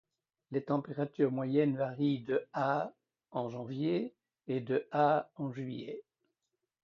Les températures moyennes varient de à en janvier, et de à en juillet.